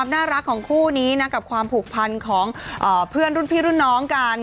น่ารักของคู่นี้นะกับความผูกพันของเพื่อนรุ่นพี่รุ่นน้องกัน